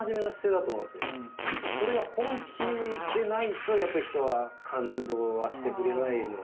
それが本気でないとやっぱり人は感動はしてくれない。